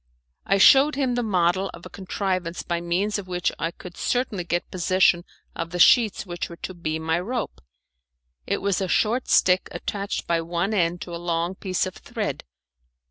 I shewed him the model of a contrivance by means of which I could certainly get possession of the sheets which were to be my rope; it was a short stick attached by one end to a long piece of thread.